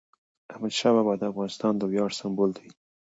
احمدشاه بابا د افغانانو د ویاړ سمبول دی.